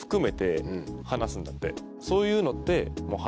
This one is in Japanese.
そういうのって。